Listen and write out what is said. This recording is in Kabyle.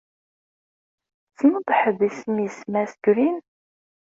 Tessneḍ ḥedd isem-is Mass Green?